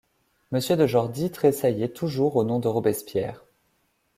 Monsieur de Jordy tressaillait toujours au nom de Robespierre.